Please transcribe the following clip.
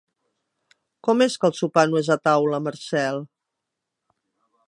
Com és que el sopar no és a taula, Marcel?